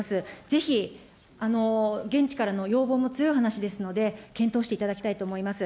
ぜひ現地からの要望も強い話ですので、検討していただきたいと思います。